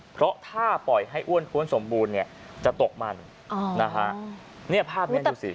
เพราะถ้าปล่อยให้อ้วนท้วนสมบูรณ์เนี่ยจะตกมันอ๋อนะฮะเนี่ยภาพเนี้ยดูสิ